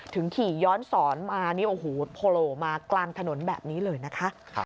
ถึงขี่ย้อนสอนมาโพโลมากลางถนนแบบนี้เลยนะคะ